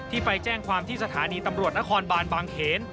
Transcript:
ไปแจ้งความที่สถานีตำรวจนครบานบางเขน